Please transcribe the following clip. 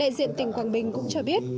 đại diện tỉnh quảng bình cũng cho biết